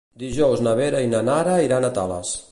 Dijous na Vera i na Nara iran a Tales.